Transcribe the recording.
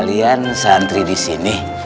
dan santri di sini